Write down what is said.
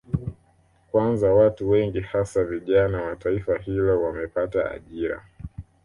Kwanza watu wengi hasa vijana wa taifa hilo wamepata ajira